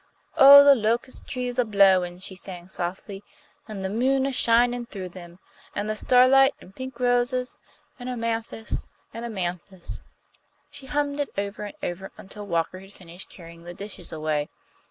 "Oh, the locus' trees a blowin'," she sang, softly. "An' the moon a shinin' through them. An' the starlight an' pink roses; an' Amanthis an' Amanthis!" She hummed it over and over until Walker had finished carrying the dishes away.